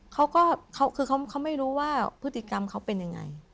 เขาก็คือเขาไม่รู้ว่าพฤติกรรมเขาเป็นยังไง